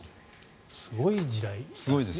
すごい時代ですね。